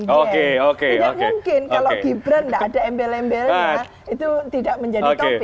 tidak mungkin kalau gibran tidak ada embel embelnya itu tidak menjadi topik